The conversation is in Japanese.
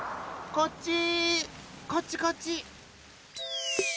こっちこっち！